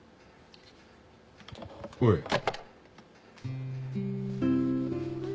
おい。